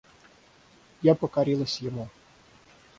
Я покорилась ему.